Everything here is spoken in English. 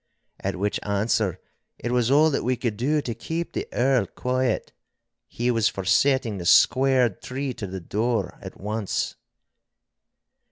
At which answer it was all that we could do to keep the Earl quiet. He was for setting the squared tree to the door at once.